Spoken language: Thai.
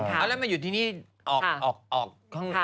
แล้วแล้วมันอยู่ที่นี่ออกออกออก